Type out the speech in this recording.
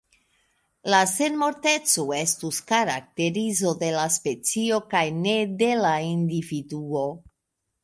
La senmorteco estus karakterizo de la specio kaj ne de la individuo.